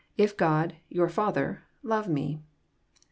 if Ghd..*yonr Father., .love me."